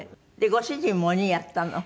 ご主人も鬼やったの？